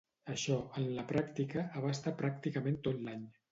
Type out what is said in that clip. Això, en la pràctica, abasta pràcticament tot l'any.